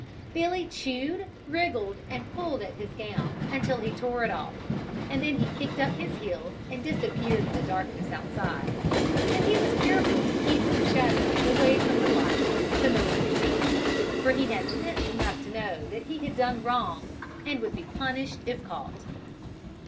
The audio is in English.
Billy chewed, wriggled and pulled at his gown until he tore it off and then he kicked up his heels and disappeared in the darkness outside; and he was careful to keep in the shadows away from the light, so no one could see him, for he had sense enough to know that he had done wrong and would be punished if caught.